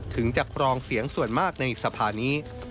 ถึงจะครองเสียงส่วนมากในสภานี้